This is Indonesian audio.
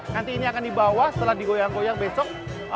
nanti ini akan dibawa setelah digoyang goyang besok